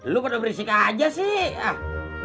lu pada berisik aja sih